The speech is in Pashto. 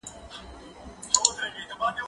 زه موسيقي نه اورم،